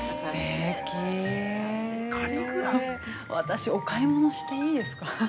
◆すてき私お買い物していいですか。